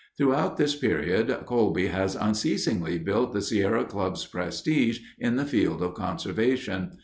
Throughout this period Colby has unceasingly built the Sierra Club's prestige in the field of conservation.